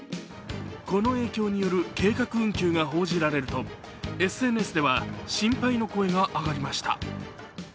この影響による計画運休が報じられると、ＳＮＳでは心配の声が上がりました。